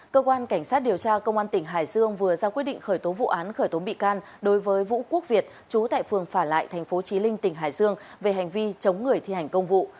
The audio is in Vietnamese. cơ quan cảnh sát điều tra công an tỉnh hải dương vừa ra quyết định khởi tố vụ án khởi tố bị can đối với vũ quốc việt trú tại phường phả lại tp trí linh tỉnh hải dương về hành vi chống người thi hành công vụ